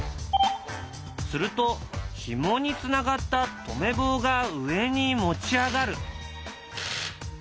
するとひもにつながった止め棒が上に持ち上がる。